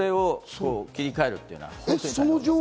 それを切り替えるっていうのは酷